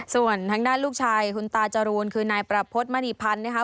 ส่วนทางด้านลูกชายคุณตาจรูนคือนายประพฤติมณีพันธ์นะคะ